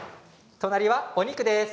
隣はお肉です。